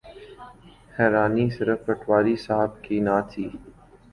حیرانی صرف پٹواری صاحب کی نہ تھی۔